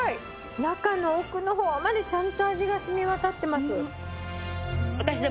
中の奥の方までちゃんと味が染み渡ってます。